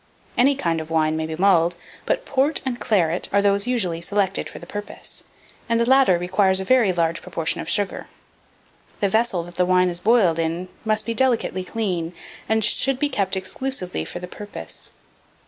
Any kind of wine may be mulled, but port and claret are those usually selected for the purpose; and the latter requires a very large proportion of sugar. The vessel that the wine is boiled in must be delicately clean, and should be kept exclusively for the purpose.